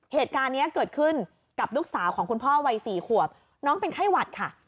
เหตุการณ์นี้เกิดขึ้นกับลูกสาวของคุณพ่อวัย๔ขวบน้องเป็นไข้หวัดค่ะ